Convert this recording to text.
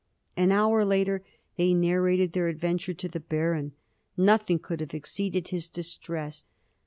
An hour later they narrated their adventure to the Baron. Nothing could have exceeded his distress.